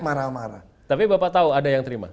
marah marah tapi bapak tahu ada yang terima